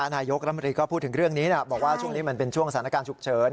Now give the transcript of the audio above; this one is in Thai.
นายกรัฐมนตรีก็พูดถึงเรื่องนี้บอกว่าช่วงนี้มันเป็นช่วงสถานการณ์ฉุกเฉิน